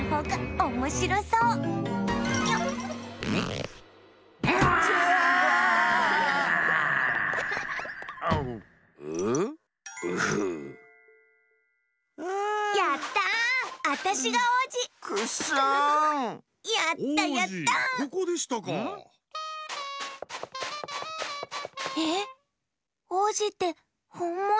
おうじってほんもの？